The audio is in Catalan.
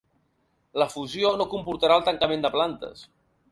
La fusió no comportarà el tancament de plantes.